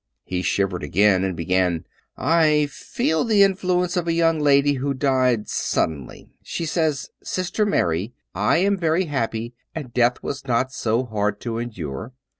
He shivered again and began :" I feel the influence of a young lady who died suddenly. She says, ' Sister Mary, I am very happy, and death was not so hard to endure.